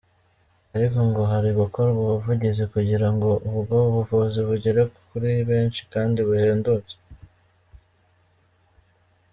Ariko ngo hari gukorwa ubuvugizi kugira ngo ubwo buvuzi bugere kuri benshi kandi buhendutse.